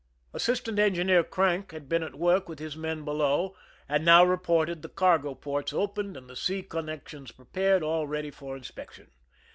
Assistant Engineer Crank had been at work with his men belo^^, and now reported the cargo ports opened and the sea connections prepared, all ready for inspection.